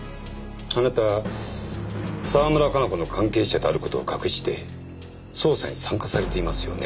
あなた沢村加奈子の関係者であることを隠して捜査に参加されていますよね